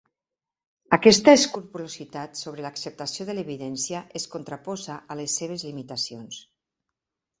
Aquesta escrupolositat sobre l'acceptació de l'evidència es contraposa a les seves limitacions.